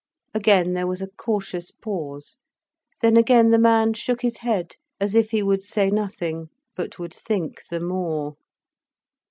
Again there was a cautious pause. Then again the man shook his head, as if he would say nothing, but would think the more.